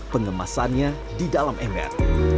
pengemasannya di dalam ember